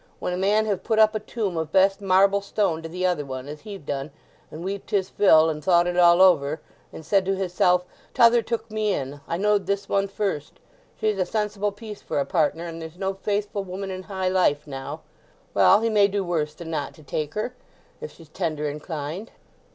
When a man have put up a tomb of best marble stone to the other one, as he've done, and weeped his fill, and thought it all over, and said to hisself, 'T'other took me in, I knowed this one first; she's a sensible piece for a partner, and there's no faithful woman in high life now';—well, he may do worse than not to take her, if she's tender inclined."